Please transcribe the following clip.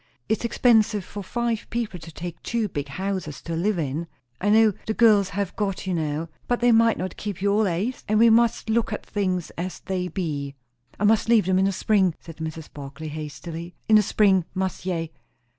It's expensive for five people to take two big houses to live in. I know, the girls have got you now; but they might not keep you allays; and we must look at things as they be." "I must leave them in the spring," said Mrs. Barclay hastily. "In the spring, must ye!"